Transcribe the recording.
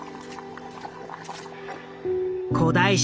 古代史